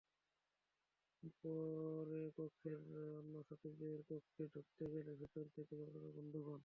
পরে কক্ষের অন্য ছাত্রীরা কক্ষে ঢুকতে গেলে ভেতর থেকে দরজা বন্ধ পান।